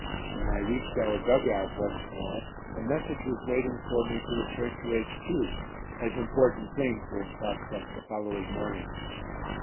When I reached our dug out once more a message was waiting for me to return to H.Q., as important things were in prospect the following morning.